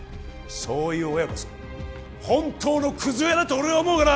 そういう親こそ本当のクズ親だと俺は思うがな！